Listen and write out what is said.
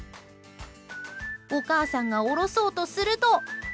お母さんが下ろそうとすると。